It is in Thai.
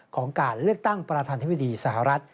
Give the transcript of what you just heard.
ของการเลือกตั้งประธานธิบดีสหรัฐ